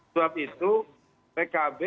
sebab itu pkb